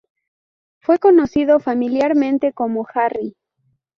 Fue conocido familiarmente como Harry.